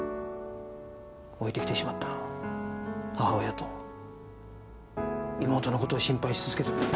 置いてきてしまった母親と妹の事を心配し続けてる。